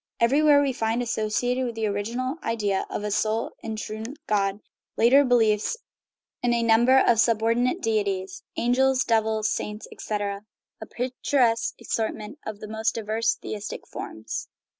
Everywhere we find associated with the original idea of a " sole and triune God " later beliefs in a number of subordinate deities angels, devils, saints, etc. a picturesque assortment of the most di verse theistic forms.